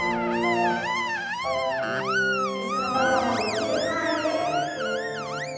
椅子の方もできる範囲で。